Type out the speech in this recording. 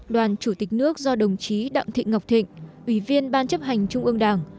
đoàn chủ tịch nước do đồng chí đặng thị ngọc thịnh ủy viên ban chấp hành trung ương đảng